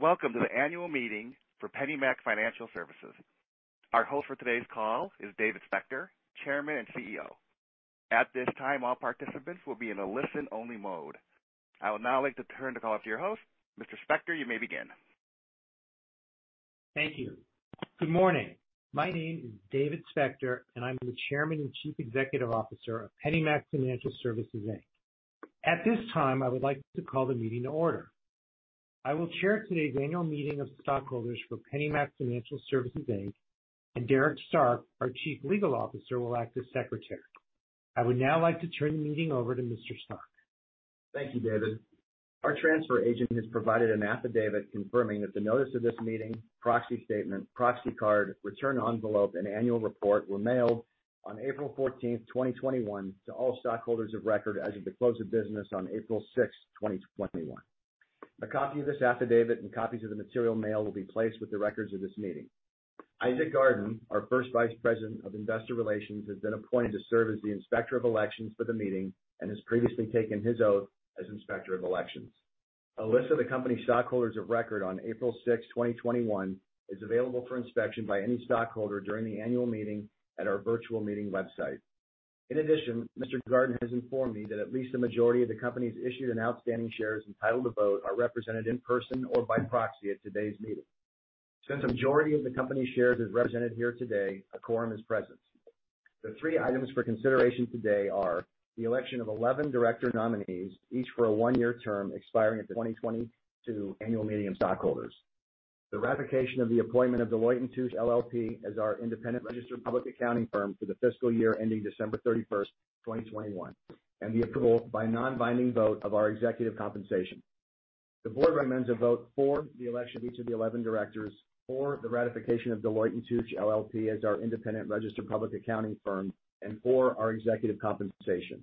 Welcome to the annual meeting for PennyMac Financial Services. Our host for today's call is David A. Spector, Chairman and CEO. At this time, all participants will be in a listen-only mode. I would now like to turn the call to your host. Mr. Spector, you may begin. Thank you. Good morning. My name is David Spector, and I'm the Chairman and Chief Executive Officer of PennyMac Financial Services, Inc. At this time, I would like to call the meeting to order. I will chair today's annual meeting of stockholders for PennyMac Financial Services, Inc., and Derek Stark, our Chief Legal Officer, will act as Secretary. I would now like to turn the meeting over to Mr. Stark. Thank you, David. Our transfer agent has provided an affidavit confirming that the notice of this meeting, proxy statement, proxy card, return envelope, and annual report were mailed on April 14, 2021, to all stockholders of record as of the close of business on April 6, 2021. A copy of this affidavit and copies of the material mail will be placed with the records of this meeting. Isaac Garden, our First Vice President of Investor Relations, has been appointed to serve as the Inspector of Elections for the meeting and has previously taken his oath as Inspector of Elections. A list of the company stockholders of record on April 6, 2021, is available for inspection by any stockholder during the annual meeting at our virtual meeting website. In addition, Mr. Garden has informed me that at least a majority of the company's issued and outstanding shares entitled to vote are represented in person or by proxy at today's meeting. Since a majority of the company shares is represented here today, a quorum is present. The three items for consideration today are the election of 11 director nominees, each for a one-year term expiring at the 2022 Annual Meeting of Stockholders. The ratification of the appointment of Deloitte & Touche LLP as our independent registered public accounting firm for the fiscal year ending December 31st, 2021, and the approval by non-binding vote of our executive compensation. The board recommends a vote for the election of each of the 11 directors, for the ratification of Deloitte & Touche LLP as our independent registered public accounting firm, and for our executive compensation.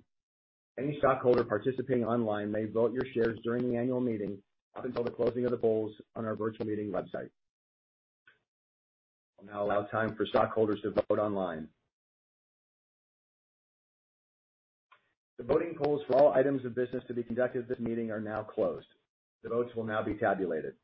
Any stockholder participating online may vote your shares during the annual meeting up until the closing of the polls on our virtual meeting website. I'll now allow time for stockholders to vote online. The voting polls for all items of business to be conducted at this meeting are now closed. The votes will now be tabulated.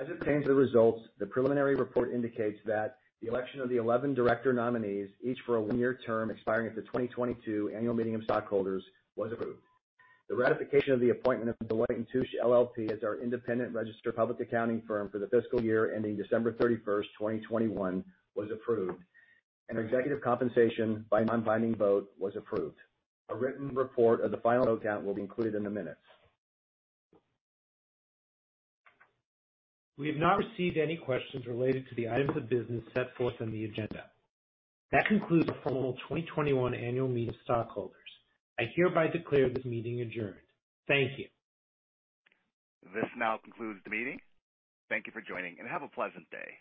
As it pertains to the results, the preliminary report indicates that the election of the 11 director nominees, each for a one-year term expiring at the 2022 Annual Meeting of Stockholders, was approved. The ratification of the appointment of Deloitte & Touche LLP as our independent registered public accounting firm for the fiscal year ending December 31st, 2021, was approved. Executive compensation by non-binding vote was approved. A written report of the final vote count will be included in the minutes. We have not received any questions related to the items of business set forth on the agenda. That concludes our formal 2021 Annual Meeting of Stockholders. I hereby declare this meeting adjourned. Thank you. This now concludes the meeting. Thank you for joining, and have a pleasant day.